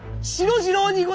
次郎にございます！